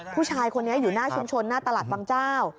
ผู้ชายคนนี้อยู่หน้าชุมชนหน้าตลาดบางเจ้า